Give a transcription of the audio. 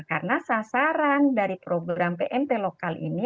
karena sasaran dari program pmt lokal ini